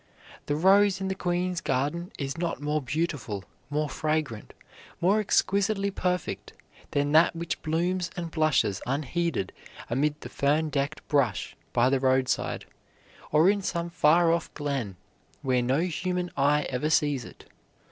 The rose in the queen's garden is not more beautiful, more fragrant, more exquisitely perfect, than that which blooms and blushes unheeded amid the fern decked brush by the roadside, or in some far off glen where no human eye ever sees it.